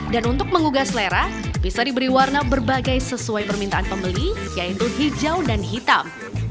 untuk mengugah selera bisa diberi warna berbagai sesuai permintaan pembeli yaitu hijau dan hitam